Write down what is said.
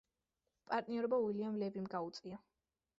პარტნიორობა უილიამ ლევიმ გაუწია.